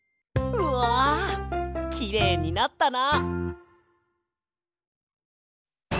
うわきれいになったな！